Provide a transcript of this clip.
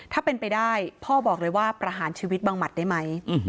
ถ้าเป็นไปได้พ่อบอกเลยว่าประหารชีวิตบังหมัดได้ไหม